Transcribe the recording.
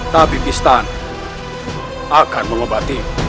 tapi pistan akan mengembati